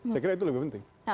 saya kira itu lebih penting